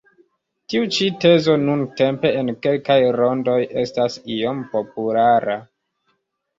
Tiu ĉi tezo nuntempe en kelkaj rondoj estas iom populara.